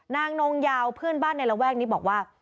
นางนงยาวเพื่อนบ้านในระแวกนี้บอกว่า